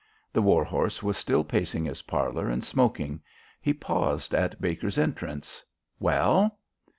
The war horse was still pacing his parlour and smoking. He paused at Baker's entrance. "Well?"